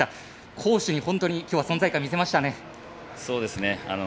攻守に本当に存在感見せましたね。